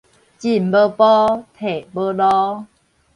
進無步，退無路